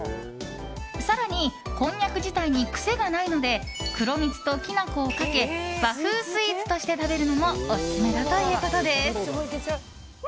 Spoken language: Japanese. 更に、こんにゃく自体に癖がないので黒蜜ときな粉をかけ和風スイーツとして食べるのもオススメだということです。